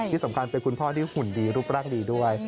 ที่สำคัญเป็นคุณพ่อที่หุ่นดีรูปร่างดีด้วย